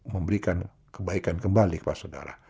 memberikan kebaikan kembali kepada saudara